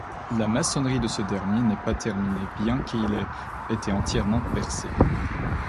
La maçonnerie de ce dernier n'est pas terminée bien qu'il ait été entièrement percé.